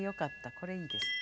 これいいです。